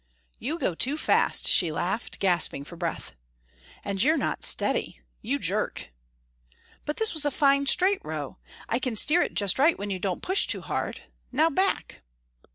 "You go too fast," she laughed, gasping for breath. "And you're not steady. You jerk." "But this was a fine straight row. I can steer it just right when you don't push too hard. Now back."